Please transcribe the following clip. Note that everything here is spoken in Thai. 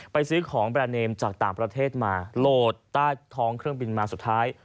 ซื้อของแบรนดเนมจากต่างประเทศมาโหลดใต้ท้องเครื่องบินมาสุดท้าย